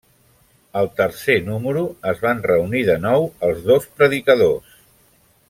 Al tercer número, es van reunir de nou els dos predicadors.